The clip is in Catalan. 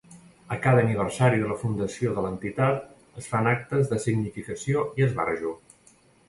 A cada aniversari de la fundació de l'entitat es fan actes de significació i esbarjo.